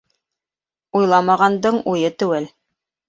Уйламағандың уйы теүәл.